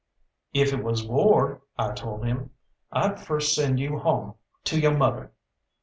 "If it was war," I told him, "I'd first send you home to yo' mother.